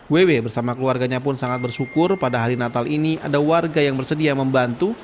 ww bersama keluarganya pun sangat bersyukur pada hari natal ini ada warga yang bersedia membantu